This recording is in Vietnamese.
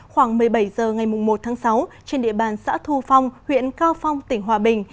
khoảng một mươi bảy h ngày một tháng sáu trên địa bàn xã thu phong huyện cao phong tỉnh hòa bình